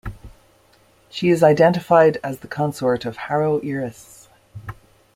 She is identified as the consort of Haroeris.